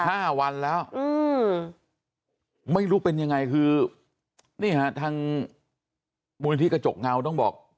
ห้าวันแล้วอืมไม่รู้เป็นยังไงคือนี่ฮะทางมูลนิธิกระจกเงาต้องบอก